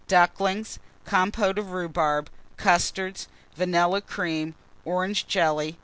Ducklings. Compôte of Rhubarb. Custards. Vanilla Cream. Orange Jelly.